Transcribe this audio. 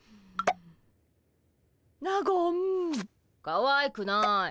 かわいくない。